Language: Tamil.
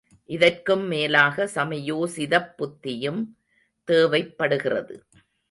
இதற்கும் மேலாக சமயோசிதப் புத்தியும் தேவைப் படுகிறது.